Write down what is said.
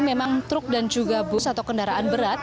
memang truk dan juga bus atau kendaraan berat